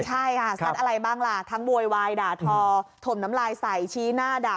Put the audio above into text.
ใช่ค่ะซัดอะไรบ้างล่ะทั้งโวยวายด่าทอถมน้ำลายใส่ชี้หน้าด่า